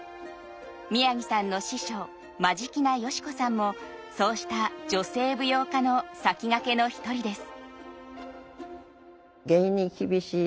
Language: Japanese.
宮城さんの師匠真境名佳子さんもそうした女性舞踊家の先駆けの一人です。